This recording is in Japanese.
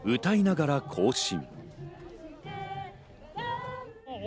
歌いながら行進。